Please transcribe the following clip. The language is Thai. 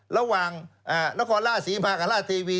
ระหว่างนครล่าศรีมากับล่าเทวี